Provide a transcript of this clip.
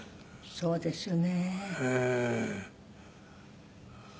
そうですよね。